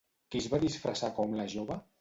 Qui es va disfressar com la jove?